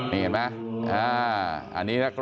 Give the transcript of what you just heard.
นี่เห็นไหม